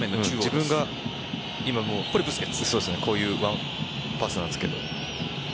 こういうパスなんですけど。